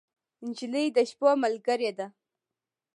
نجلۍ د شپو ملګرې ده.